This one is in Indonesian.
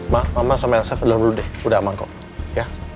ma mama sama elsa kelar dulu deh udah aman kok ya